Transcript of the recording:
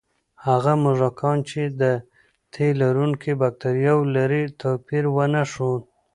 هغه موږکان چې د تیلرونکي بکتریاوې لري، توپیر ونه ښود.